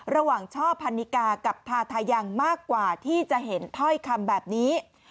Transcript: ช่อพันนิกากับทาทายังมากกว่าที่จะเห็นถ้อยคำแบบนี้